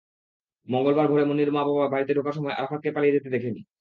মঙ্গলবার ভোরে মুন্নির মা-বাবা বাড়িতে ঢোকার সময় আরাফাতকে পালিয়ে যেতে দেখেন।